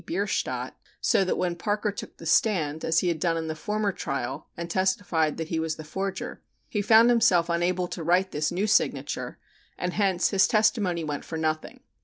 Bierstadt," so that when Parker took the stand, as he had done in the former trial and testified that he was the forger, he found himself unable to write this new signature, and hence his testimony went for nothing.